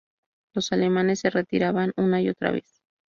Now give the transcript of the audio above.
Los alemanes se retiraban una y otra vez.